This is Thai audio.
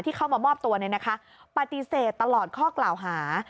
เข้ามามอบตัวปฏิเสธตลอดข้อกล่าวหา